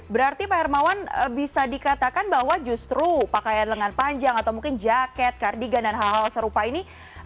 berarti pak hermawan bisa dikatakan bahwa justru pakaian lengan panjang atau mungkin jaket kardigan dan hal hal serupa ini